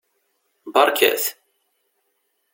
Beṛkat!